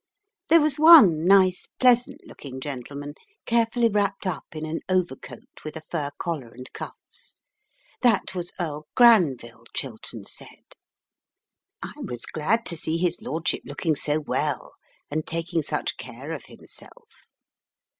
There was one nice pleasant looking gentleman carefully wrapped up in an overcoat with a fur collar and cuffs. That was Earl Granville, Chiltern said. I was glad to see his lordship looking so well and taking such care of himself.